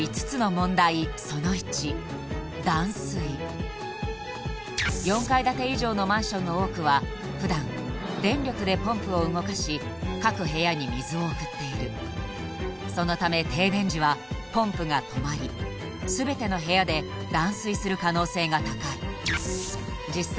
え何で４階建て以上のマンションの多くは普段電力でポンプを動かし各部屋に水を送っているそのため停電時はポンプが止まり全ての部屋で断水する可能性が高い実際